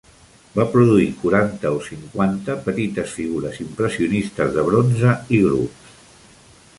Va produir quaranta o cinquanta petites figures impressionistes de bronze i grups.